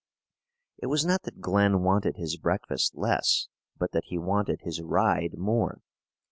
It was not that Glen wanted his breakfast less, but that he wanted his ride more.